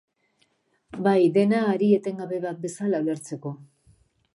Bai, dena hari etengabe bat bezala ulertzeko.